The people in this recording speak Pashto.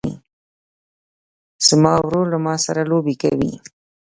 زما ورور له ما سره لوبې کوي.